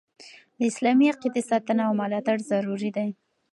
د اسلامي عقیدي ساتنه او ملاتړ ضروري دي.